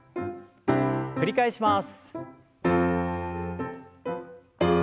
繰り返します。